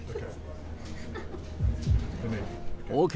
ＯＫ。